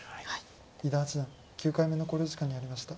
伊田八段９回目の考慮時間に入りました。